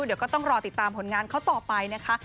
เดี๋ยวก็ต้องรอติดตามผลงานเขาต่อไปนะคะ